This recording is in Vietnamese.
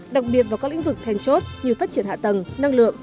đặc biệt vào các lĩnh vực thèn chốt như phát triển hạ tầng năng lượng